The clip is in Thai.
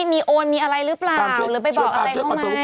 มีโอนมีอะไรหรือเปล่าหรือไปบอกอะไรเขาไหม